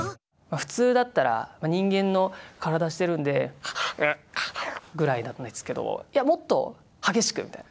普通だったら人間の体してるんで「ハフッハフッ」ぐらいなんですけどいやもっと激しくみたいな。